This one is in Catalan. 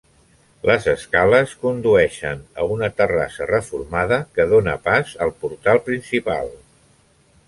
Les escales condueixen a una terrassa reformada que dóna pas al portal principal.